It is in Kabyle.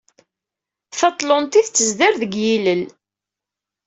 Taṭlantit tezder deg yilel.